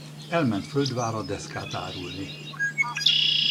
Elment Földvárra deszkát árulni.